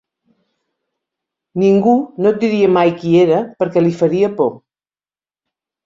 Ningú no et diria mai qui era perquè li faria por.